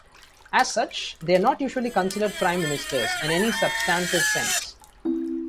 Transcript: As such, they are not usually considered Prime Ministers in any substantive sense.